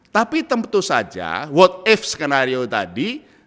tapi tentu saja what ip skenario tadi